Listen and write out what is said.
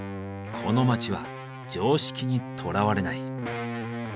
この街は常識にとらわれない。